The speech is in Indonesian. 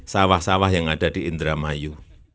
sawah sawah yang ada di indramayu